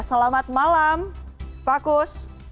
selamat malam pak kus